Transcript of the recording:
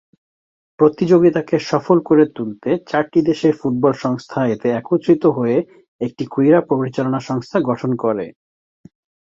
প্রতিযোগিতাকে সফল করে তুলতে চারটি দেশের ফুটবল সংস্থা এতে একত্রিত হয়ে একটি ক্রীড়া পরিচালনা সংস্থা গঠন করে।